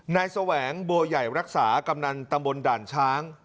แสวงบัวใหญ่รักษากำนันตำบลด่านช้าง